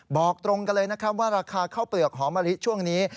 บอกตรงกันเลยนะครับว่าราคาข้าวเปลือกหอมะลิช่วงนี้